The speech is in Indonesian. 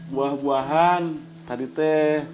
buah buahan tadi teh